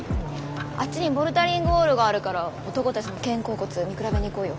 あっちにボルダリングウォールがあるから男たちの肩甲骨見比べに行こうよ。